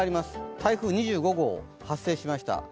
台風２５号発生しました。